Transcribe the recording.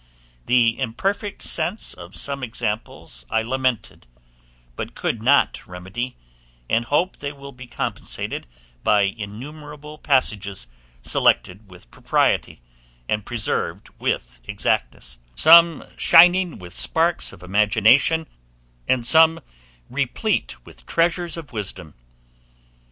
The imperfect sense of some examples I lamented, but could not remedy, and hope they will be compensated by innumerable passages selected with propriety, and preserved with exactness; some shining with sparks of imagination, and some replete with treasures of wisdom.